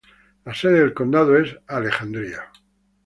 La sede de condado es Alexandria.